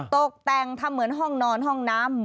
ตกแต่งทำเหมือนห้องนอนห้องน้ำ